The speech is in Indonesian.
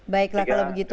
baiklah kalau begitu